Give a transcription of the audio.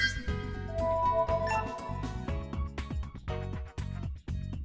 cảm ơn lắng giềng